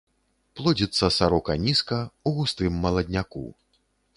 Плодзіцца сарока нізка ў густым маладняку.